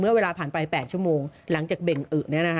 เวลาผ่านไป๘ชั่วโมงหลังจากเบ่งอึ